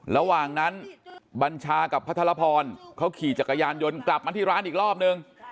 ระหว่างนั้นบัญชากับพระธรพรเขาขี่จักรยานยนต์กลับมาที่ร้านอีกรอบนึง